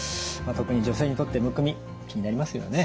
特に女性にとってむくみ気になりますよね。